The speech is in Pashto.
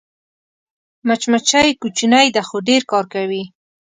مچمچۍ کوچنۍ ده خو ډېر کار کوي